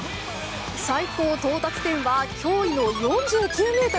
最高到達点は驚異の４９ｍ。